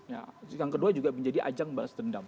ya yang kedua juga menjadi ajang balas dendam